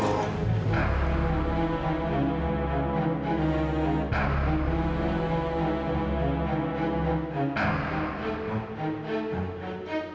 kamu jadi nangis